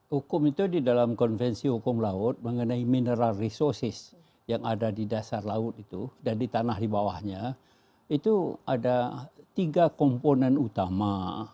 hukum itu di dalam konvensi hukum laut mengenai mineral resources yang ada di dasar laut itu dan di tanah di bawahnya itu ada tiga komponen utama